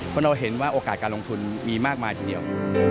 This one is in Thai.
เพราะเราเห็นว่าโอกาสการลงทุนมีมากมายทีเดียว